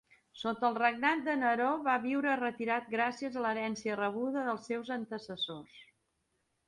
Sota el regnat de Neró va viure retirat gràcies a l'herència rebuda dels seus antecessors.